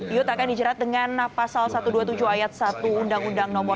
yut akan dijerat dengan pasal satu ratus dua puluh tujuh ayat satu undang undang nomor tiga